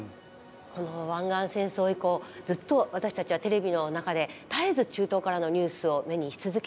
この湾岸戦争以降ずっと私たちはテレビの中で絶えず中東からのニュースを目にし続けていますよね。